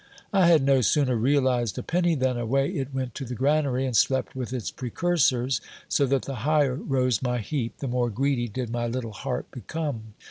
I had no sooner realized a penny, than away it went to the granary, and slept with its precursors ; so that the higher rose my heap, the more greedy did my little heart become.